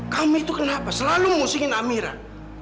kamu itu kenapa selalu mengusingin amirah